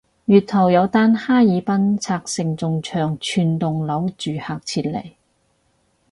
月頭有單哈爾濱拆承重牆全棟樓住客撤離